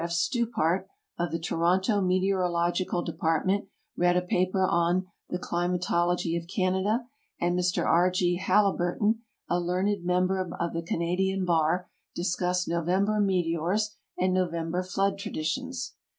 F. Stupart, of the Toronto Meteorological Department, read a paper on The Clima tology of Canada, and Mr R. G. Haliburton, a learned member of the Canadian Bar, discussed November Meteors and Novem ber Flood Traditions.